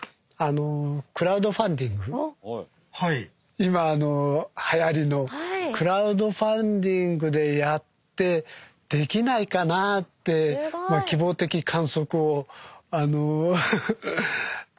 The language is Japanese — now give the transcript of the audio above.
今はやりのクラウドファンディングでやってできないかなってまあ希望的観測を。